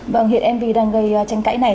vâng hiện mv đang gây tranh cãi này